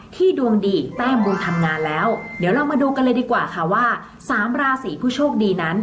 ดวงดีแต้มบุญทำงานแล้วเดี๋ยวเรามาดูกันเลยดีกว่าค่ะว่าสามราศีผู้โชคดีนั้น